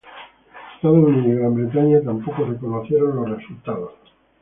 Estados Unidos y Gran Bretaña tampoco reconocieron los resultados.